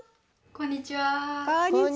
こんにちは。